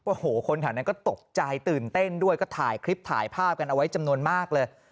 โอ้โหคนแถวนั้นก็ตกใจตื่นเต้นด้วยก็ถ่ายคลิปถ่ายภาพกันเอาไว้จำนวนมากเลย